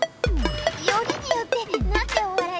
よりによってなんでおわらい？